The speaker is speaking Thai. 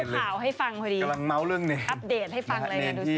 อัพเดตให้ฟังเลย